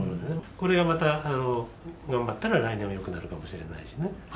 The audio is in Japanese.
これがまた頑張ったら来年はよくなるかもしれないしね。